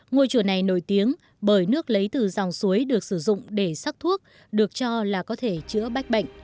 ngôi chùa này nổi tiếng bởi nước lấy từ dòng suối được sử dụng để sắc thuốc được cho là có thể chữa bách bệnh